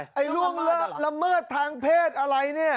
พระอาจารย์ออสบอกว่าอาการของคุณแป๋วผู้เสียหายคนนี้อาจจะเกิดจากหลายสิ่งประกอบกัน